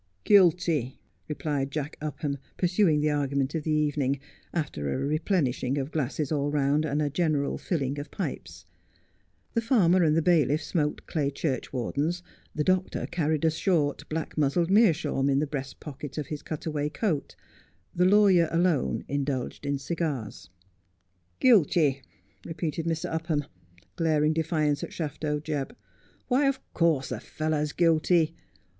' Guilty,' replied Jack Upham, pursuing the argument of the evening, after a replenishing of glasses all round, and a general filling of pipes. The farmer and the bailiff smoked clay church wardens, the doctor carried a short, black muzzled meerschaum in the breast pocket of his cut away coat, the lawyer alone in dulged in cigars. ' Guilty,' repeated Mr. Upham, glaring defiance at Shafto Jebb. ' Why, of course the fellow is guilty.